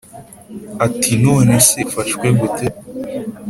ati"nonese ufashwe gute?"